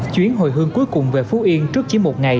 chuyến hồi hương cuối cùng về phú yên trước chỉ một ngày